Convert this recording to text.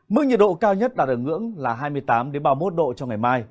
mức nhiệt độ cao nhất đạt ở ngưỡng là hai mươi tám ba mươi một độ trong ngày mai